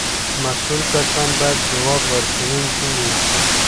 مسؤل کسان باید ځواب ورکوونکي وي.